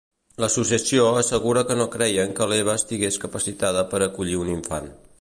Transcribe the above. L'associació assegura que no creien que l'Eva estigués capacitada per acollir un infant.